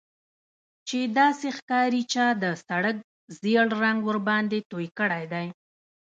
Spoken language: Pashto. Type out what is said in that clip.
چې داسې ښکاري چا د سړک ژیړ رنګ ورباندې توی کړی دی